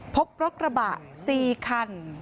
พบรถกระบะ๔คัน